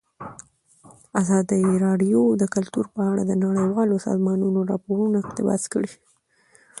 ازادي راډیو د کلتور په اړه د نړیوالو سازمانونو راپورونه اقتباس کړي.